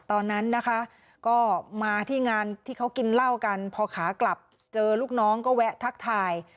ตอนนั้นนะคะก็มาที่งานที่เขากินเหล้ากันพอขากลับเจอลูกน้องก็แวะทักทาย